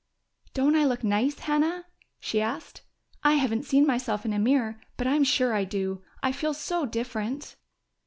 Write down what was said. "Don't I look nice, Hannah?" she asked. "I haven't seen myself yet in a mirror, but I'm sure I do. I feel so different."